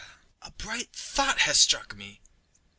a bright thought has struck me!